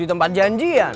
di tempat janjian